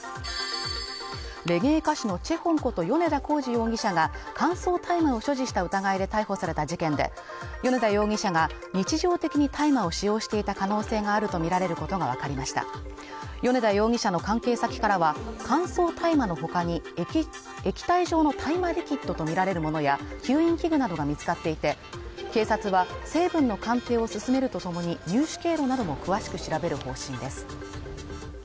レゲエ歌手のＣＨＥＨＯＮこと米田洪二容疑者が乾燥大麻を所持した疑いで逮捕された事件で米田容疑者が日常的に大麻を使用していた可能性があるとみられることが分かりました米田容疑者の関係先からは乾燥大麻のほかに液体状の大麻リキッドとみられるものや吸引器具などが見つかっていて警察は成分の鑑定を進めるとともに入手経路などを詳しく調べる方針です